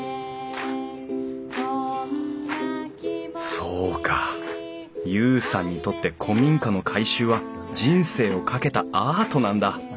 そうか裕さんにとって古民家の改修は人生をかけたアートなんだ。